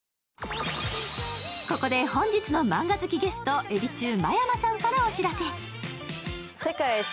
ここで本日のマンガ好きゲスト、エビ中・真山さんからお知らせ。